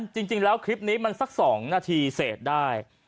จริงแล้วคลิปนี้มันสัก๒นาทีเสร็จได้